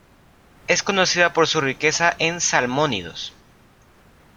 Es conocida por su riqueza en salmónidos.